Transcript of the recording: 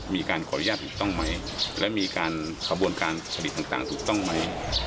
มีการขออนุญาตถูกต้องไหมและมีการขบวนการผลิตต่างถูกต้องไหม